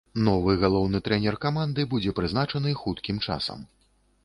Новы галоўны трэнер каманды будзе прызначаны хуткім часам.